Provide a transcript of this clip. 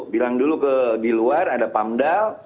bilang dulu di luar ada pamdal